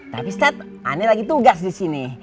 tapi ustadz aneh lagi tugas disini